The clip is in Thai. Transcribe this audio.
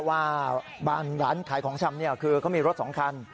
ว่าบ้านร้านขายของชำนี่ก็มีรถสองคัน